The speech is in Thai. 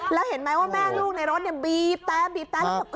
แล้วเห็นไหมว่าแม่ลูกในรถบี๊บแป๊บบี๊บแป๊บ